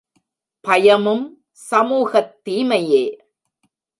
பயமும் சமூகத் தீமையே.